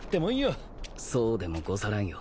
そうでもござらんよ。